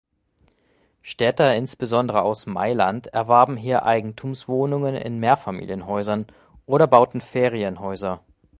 Städter insbesondere aus Mailand erwarben hier Eigentumswohnungen in Mehrfamilienhäusern oder bauten Ferienhäuser.